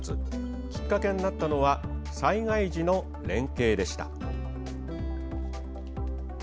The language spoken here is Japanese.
きっかけになったのは災害時の連携でした。